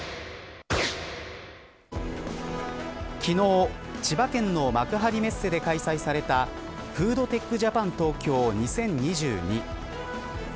昨日、千葉県の幕張メッセで開催されたフードテックジャパン東京２０２２。